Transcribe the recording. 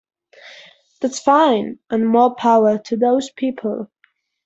That's fine, and more power to those people.